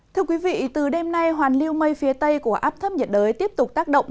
thưa quý vị từ đêm nay hoàn lưu mây phía tây của áp thấp nhiệt đới tiếp tục tác động